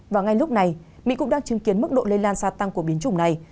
và ngay lúc này mỹ cũng đang chứng kiến mức độ lây lan gia tăng của biến chủng này